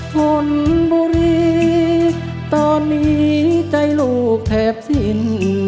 ชนบุรีตอนนี้ใจลูกแทบสิ้น